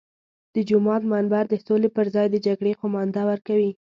د جومات منبر د سولې پر ځای د جګړې قومانده ورکوي.